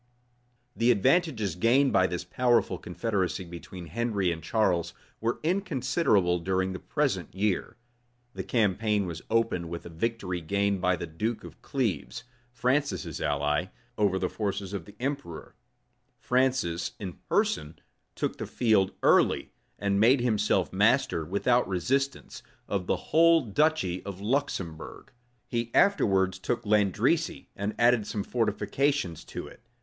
The advantages gained by this powerful confederacy between Henry and Charles, were inconsiderable during the present year. The campaign was opened with a victory gained by the duke of Cleves, Francis's ally, over the forces of the emperor:[*] Francis, in person, took the field early; and made himself master, without resistance, of the whole duchy of Luxembourg: he afterwards took Landrecy, and added some fortifications to it.